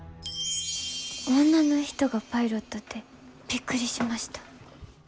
女の人がパイロットってびっくりしました。